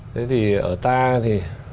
thế thì ở ta thì